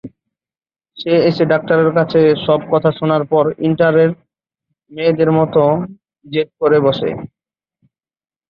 সে এসে ডাক্তারের কাছে সব কথা শোনার পর ইন্টারের মেয়েদের মতন জেদ করে বসে।